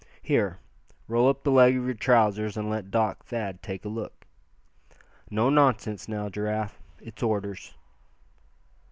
Here, roll up the leg of your trousers and let Doc Thad take a look. No nonsense, now, Giraffe. It's orders."